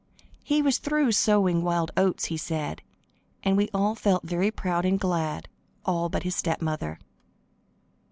He was through sowing wild oats, he said, and we all felt very proud and glad all but his stepmother.